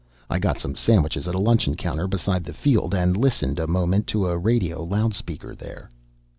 I got some sandwiches at a luncheon counter beside the field, and listened a moment to a radio loudspeaker there.